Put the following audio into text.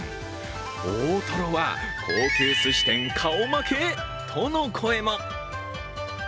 大とろは高級すし店顔負けとの声も。